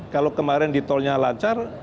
kalau kemarin di tolnya lancar